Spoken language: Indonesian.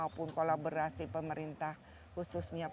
maupun kolaborasi pemerintah khususnya